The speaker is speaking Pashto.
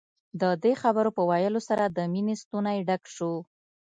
د دې خبرو په ويلو سره د مينې ستونی ډک شو.